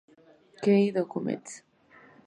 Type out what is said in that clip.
Key Documents